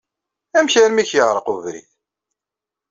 Amek armi i k-yeɛṛeq webrid?